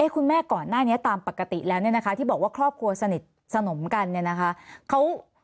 คุณแม่ก่อนหน้านี้ตามปกติแล้วเนี่ยนะคะที่บอกว่าครอบครัวสนิทสนมกันเนี่ยนะคะ